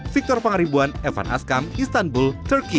victor pangaribuan evan askam istanbul turki